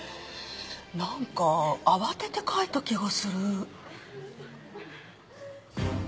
なんか慌てて描いた気がする。